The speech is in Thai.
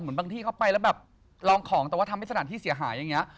บางที่เขาไปแล้วแบบลองของแต่ว่าทำให้สถานที่เสียหายอย่างนี้